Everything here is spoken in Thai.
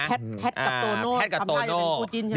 แพทกับโตโน่ทำถ้ายังเป็นคู่จิ้นใช่มั้ย